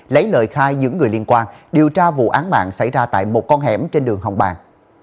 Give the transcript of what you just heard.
lấy lời khai những người liên quan điều tra vụ án mạng xảy ra tại một con hẻm trên đường hồng bàng